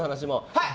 はい！